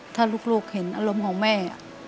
ถ้าลูกเห็นอารมณ์ของแม่